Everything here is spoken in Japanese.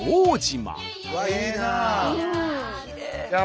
うわっいいなあ！